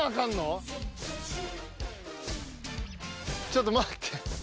ちょっと待って。